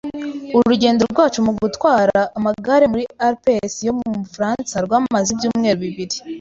Urugendo rwacu rwo gutwara amagare muri Alpes yo mu Bufaransa rwamaze ibyumweru bibiri.